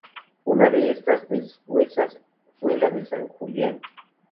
Una de estas dehesas fue la de San Julián.